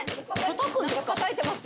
たたいてますよ。